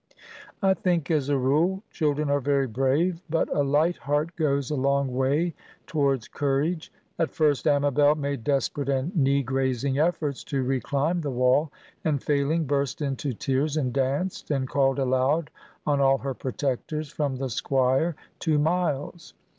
I think, as a rule, children are very brave. But a light heart goes a long way towards courage. At first Amabel made desperate and knee grazing efforts to reclimb the wall, and, failing, burst into tears, and danced, and called aloud on all her protectors, from the Squire to Miles.